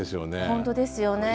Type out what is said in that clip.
本当ですよね。